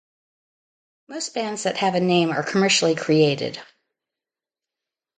Most bands that have a name are commercially created.